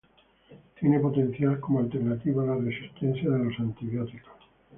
Tiene potencial como alternativa a la resistencia de los antibióticos.